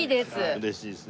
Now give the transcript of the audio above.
うれしいです。